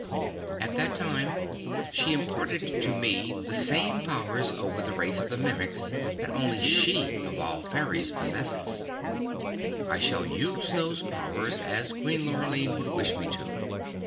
At that time she imparted to me the same powers over the race of Mimics that only she, of all fairies, possesses. I shall use those powers as Queen Lurline would wish me to.